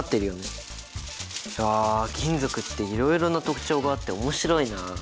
いや金属っていろいろな特徴があって面白いな。